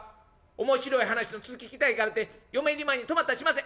面白い話の続き聞きたいからって嫁入り前に泊まったりしません！